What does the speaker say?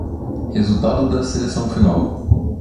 Resultado da seleção final